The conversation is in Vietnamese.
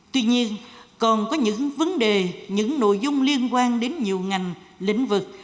tuy nhiên còn có những vấn đề những nội dung liên quan đến nhiều ngành lĩnh vực